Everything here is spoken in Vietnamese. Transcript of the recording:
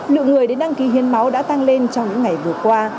lượng người đến đăng ký hiến máu đã tăng lên trong những ngày vừa qua